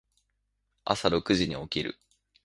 朝六時に起きる。